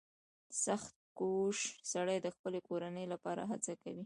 • سختکوش سړی د خپلې کورنۍ لپاره هڅه کوي.